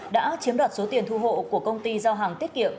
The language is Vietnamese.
đã chiếm đoạt số tiền thu hộ của công ty giao hàng tiết kiệm